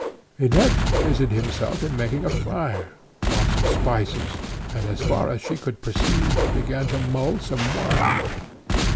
He next busied himself in making a fire, brought some spices, and, as far as she could perceive, began to mull some wine.